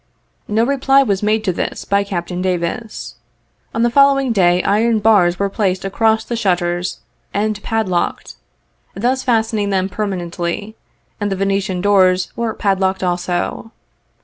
No reply was made to this by Capt. Davis. On the fol lowing day iron bars were placed across the shutters and 14 padlocked, thus fastening them permanently, and the Vene tian doors were padlocked also.